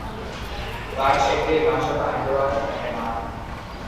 মার্চ-এপ্রিল মাসে পানিপ্রবাহ থাকে না।